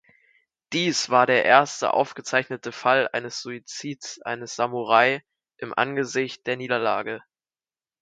Dies war der erste aufgezeichnete Fall eines Suizids eines Samurai im Angesicht der Niederlage.